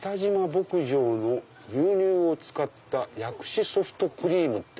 牧場の牛乳を使った薬師ソフトクリーム」。